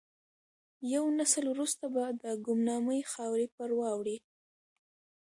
یو نسل وروسته به د ګمنامۍ خاورې پر واوړي.